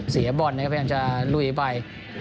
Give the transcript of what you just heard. เสียบอลนะครับเพื่อนจะลุยไป